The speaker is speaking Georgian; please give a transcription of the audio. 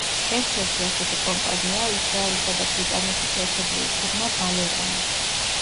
ერთ-ერთი ასეთი კომპანიაა ისრაელისა და ბრიტანეთის ერთობლივი ფირმა „ვალერანი“.